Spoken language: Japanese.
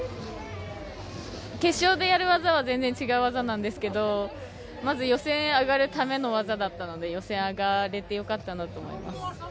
決勝でやる技は全然、違う技なんですけどまず予選、上がるための技だったので、予選上がれてよかったなと思います。